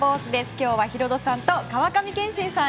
今日はヒロドさんと川上憲伸さん